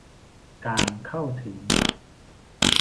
การเข้าถึง